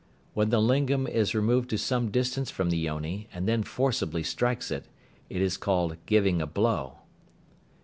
When the lingam is removed to some distance from the yoni, and then forcibly strikes it, it is called "giving a blow."